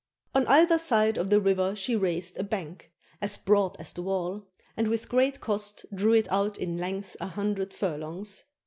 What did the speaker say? On either side of the river she raised a bank, as broad as the wall, and with great cost drew it out in length a hundred furlongs.